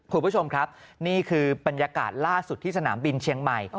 คุณผู้ชมครับนี่คือบรรยากาศล่าสุดที่สนามบินเชียงใหม่